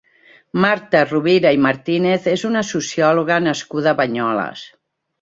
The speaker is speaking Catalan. Marta Rovira i Martínez és una sociòloga nascuda a Banyoles.